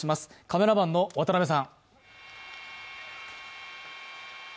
カメラマンの渡辺さん。